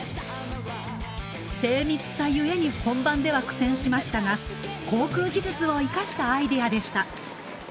精密さゆえに本番では苦戦しましたが航空技術を生かしたアイデアでした。